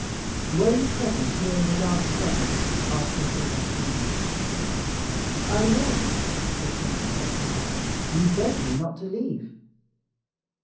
"Were you present during the last struggle?" asked M. d'Avrigny. "I was," replied the procureur; "you begged me not to leave."